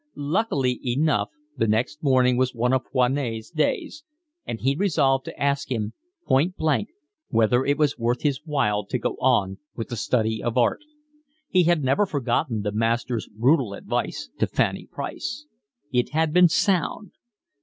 Luckily enough the next morning was one of Foinet's days, and he resolved to ask him point blank whether it was worth his while to go on with the study of art. He had never forgotten the master's brutal advice to Fanny Price. It had been sound.